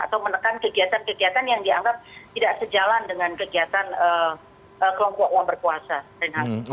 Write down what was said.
atau menekan kegiatan kegiatan yang dianggap tidak sejalan dengan kegiatan kelompok yang berkuasa